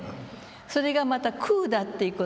それがまた「空」だっていう事。